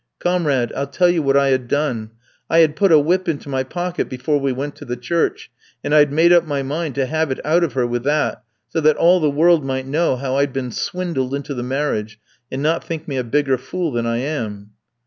Comrade, I'll tell you what I had done: I had put a whip into my pocket before we went to church, and I'd made up my mind to have it out of her with that, so that all the world might know how I'd been swindled into the marriage, and not think me a bigger fool than I am."